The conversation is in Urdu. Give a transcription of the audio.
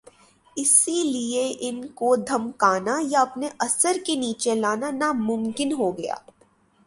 اسی لئے ان کو دھمکانا یا اپنے اثر کے نیچے لانا ناممکن ہو گیا۔